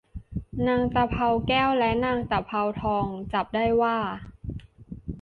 นางตะเภาแก้วและนางตะเภาทองจับได้ว่า